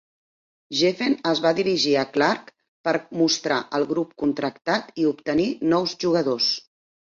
Geffen es va dirigir a Clarke per mostrar el grup contractat i obtenir nous jugadors.